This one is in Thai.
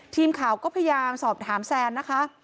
ทีมข่าวก็พยายามสอบถามแซนนะคะ